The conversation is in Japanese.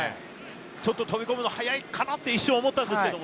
ちょっと飛び込むの早いかなって一瞬思ったんですけど。